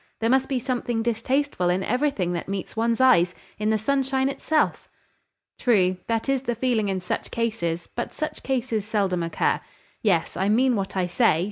There must be something distasteful in everything that meets one's eyes, in the sunshine itself." "True. That is the feeling in such cases: but such cases seldom occur. Yes: I mean what I say.